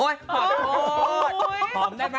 อยากฆ่าหนู